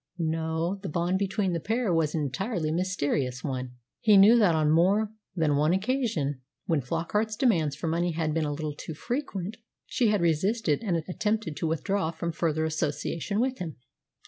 No; the bond between the pair was an entirely mysterious one. He knew that on more than one occasion, when Flockart's demands for money had been a little too frequent, she had resisted and attempted to withdraw from further association with him.